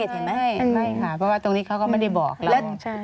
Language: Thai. เห็นไหมไม่ค่ะเพราะว่าตรงนี้เขาก็ไม่ได้บอกเรา